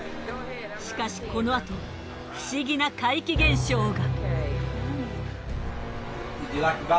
しかしこのあと不思議な怪奇現象が。